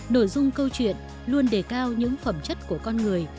nội dung câu chuyện luôn đề cao những phẩm chất của con người